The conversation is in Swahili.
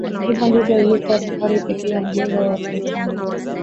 hiyo ndiyo ilikuwa safari pekee ya mjengo wa titanic